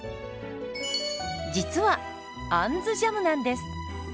実は「あんずジャム」なんです。